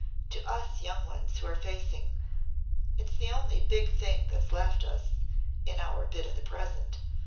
"To us young ones who are facing It's the only big thing that's left us in our bit of the present.